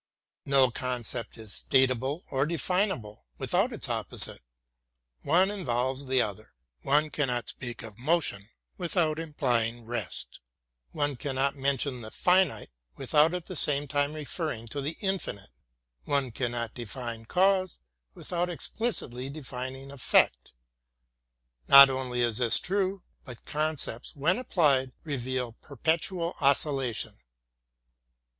No concept is statable or definable with out its opposite ; one involves the other. One cannot speak of motion without implying rest; one cannot mention the finite without at the same time referring to the infinite; one cannot define cause without explicitly defining effect. Not only is this true, but concepts, when applied, reveal perpetual oscillation.